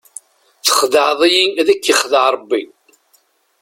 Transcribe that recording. Texdeɛḍ-iyi ad k-yexdeɛ rebbi!